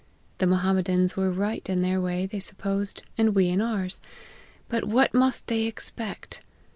the Mo hammedans were right in their way, tney supposed, and we in ours ; but what must they expect